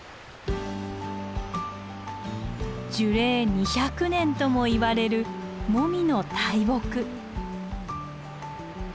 樹齢２００年ともいわれるモミの大木。